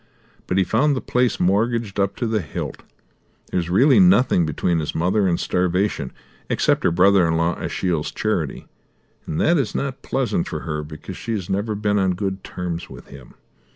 But he found the place mortgaged up to the hilt. There is really nothing between his mother and starvation, except her brother in law Ashiel's charity, and that is not pleasant for her because she has never been on good terms with him.